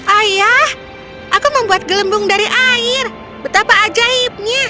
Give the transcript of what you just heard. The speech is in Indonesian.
ayah aku membuat gelembung dari air betapa ajaibnya